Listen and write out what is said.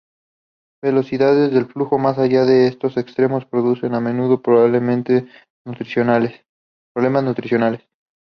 Velocidades de flujo más allá de estos extremos producen a menudo problemas nutricionales.